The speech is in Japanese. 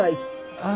ああ。